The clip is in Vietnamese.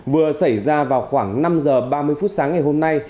vừa xảy ra vào khoảng năm h ba mươi phút sáng ngày hôm nay